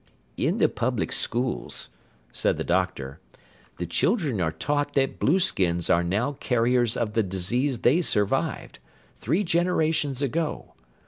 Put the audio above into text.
"In the public schools," said the doctor, "the children are taught that blueskins are now carriers of the disease they survived three generations ago!